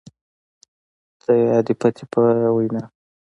د يادې پتې په وينا،